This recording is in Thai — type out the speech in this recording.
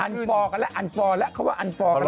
ฟอร์กันแล้วอันฟอร์แล้วเขาว่าอันฟอร์แล้ว